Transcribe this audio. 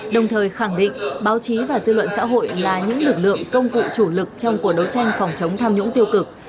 đồng thời khẳng định báo chí và dư luận xã hội là những lực lượng công cụ chủ lực trong cuộc đấu tranh phòng chống tham nhũng tiêu cực